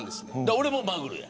俺もマグルや。